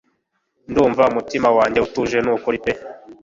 ndumva umutima wanjye utuje nukuri pe